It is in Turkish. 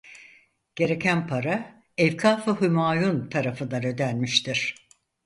Gereken para Evkaf-ı Hümayun tarafından ödenmiştir.